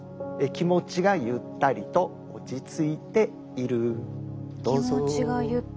「気持ちがゆったりと落ち着いている」。